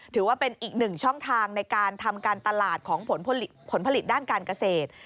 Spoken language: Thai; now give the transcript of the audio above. ถือว่าเป็นอีกหนึ่งช่องทางในการทำการตลาดของผลผลิตด้านการเกษตร